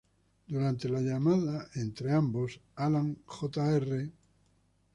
Durante la llamada entre ambos, Alan Jr.